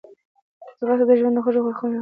ځغاسته د ژوند خوږ اړخونه راوړي